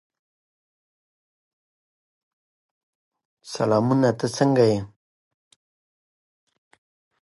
لیک کې یې مخکینی ولسمشر امین تورن کړی و.